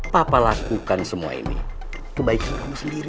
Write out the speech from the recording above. papa lakukan semua ini kebaikan kamu sendiri